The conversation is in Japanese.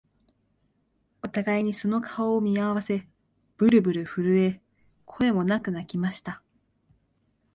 お互いにその顔を見合わせ、ぶるぶる震え、声もなく泣きました